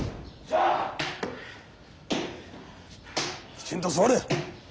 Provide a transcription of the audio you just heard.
きちんと座れ。